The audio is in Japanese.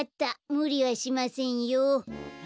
むりはしませんよ。